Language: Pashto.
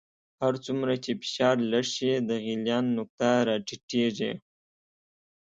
هر څومره چې فشار لږ شي د غلیان نقطه را ټیټیږي.